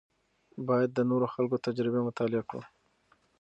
باید د نورو خلکو تجربې مطالعه کړو.